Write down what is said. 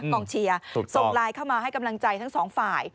ส่งไลน์เข้ามาให้กำลังใจทั้งสองฝ่าย